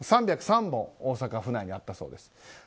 ３０３本大阪府内にあったそうです。